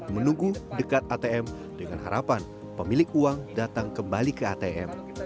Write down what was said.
menunggu dekat atm dengan harapan pemilik uang datang kembali ke atm